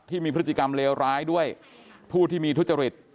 ที่มีพฤติกรรมเลวร้ายด้วยผู้ที่มีทุจริต